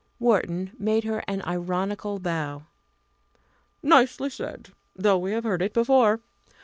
Wharton made her an ironical bow. "Nicely said! though we have heard it before.